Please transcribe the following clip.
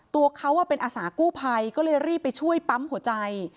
ตัวเขาเป็นอาสากู้ภัยก็เลยรีบไปช่วยปั๊มหัวใจ